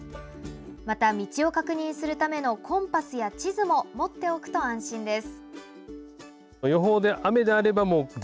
また、道を確認するためのコンパスや地図も持っておくと安心です。